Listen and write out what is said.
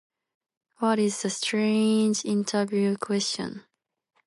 What is a strange interview question?